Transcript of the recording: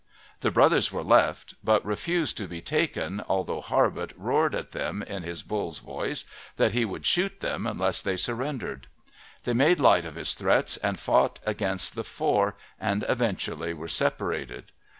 The brothers were left but refused to be taken, although Harbutt roared at them in his bull's voice that he would shoot them unless they surrendered. They made light of his threats and fought against the four, and eventually were separated.